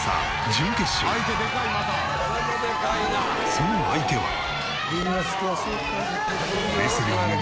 その相手は。ええ！